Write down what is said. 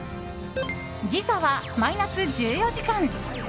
時差はマイナス１４時間。